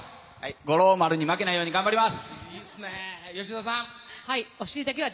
五郎丸に負けないように頑張ります。